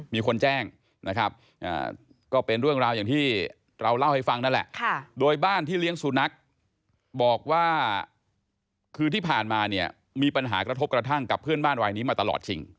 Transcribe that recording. มีคนแจ้งนะครับก็เป็นเรื่องราวอย่างที่เราเล่าให้ฟังนั่นแหละโดยบ้านที่เลี้ยงสุนัขบอกว่าคือที่ผ่านมาเนี่ยมีปัญหากระทบกระทั่งกับเพื่อนบ้านวัยนี้มาตลอดชิง